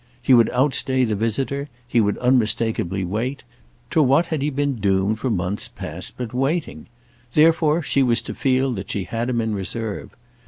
He would outstay the visitor; he would unmistakeably wait; to what had he been doomed for months past but waiting? Therefore she was to feel that she had him in reserve.